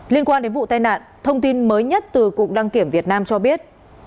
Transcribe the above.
liên quan đến vụ tai nạn thông tin mới nhất từ cục đăng kiểm việt nam cho biết